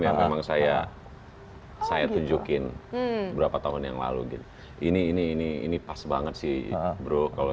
yang memang saya saya tunjukin beberapa tahun yang lalu gitu ini ini ini ini pas banget sih bro kalau